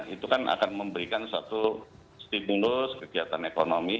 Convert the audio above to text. itu kan akan memberikan suatu stimulus kegiatan ekonomi